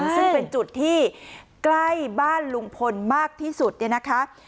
ซึ่งเป็นจุดที่ใกล้บ้านลุงพลมากที่สุดเนี่ยนะคะ